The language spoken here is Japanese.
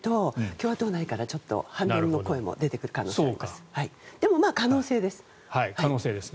共和党内から反論の声も出てくる可能性があります。